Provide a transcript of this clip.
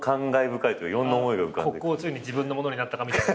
ここついに自分のものになったかみたいな。